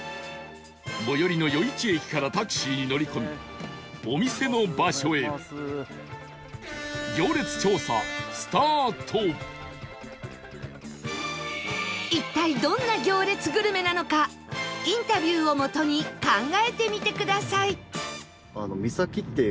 最寄りの余市駅からタクシーに乗り込み一体どんな行列グルメなのかインタビューをもとに考えてみてください